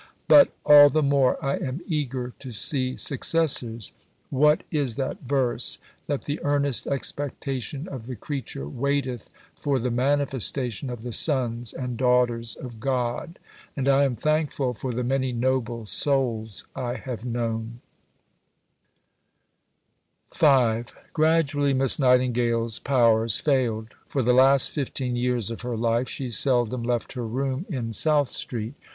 But all the more I am eager to see successors. What is that verse that the earnest expectation of the creature waiteth for the manifestation of the sons (and daughters) of God. And I am thankful for the many noble souls I have known." For Miss Nightingale's tribute to his memory, see above, p. 124. V Gradually Miss Nightingale's powers failed. For the last fifteen years of her life she seldom left her room in South Street.